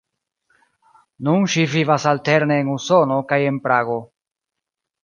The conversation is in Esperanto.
Nun ŝi vivas alterne en Usono kaj en Prago.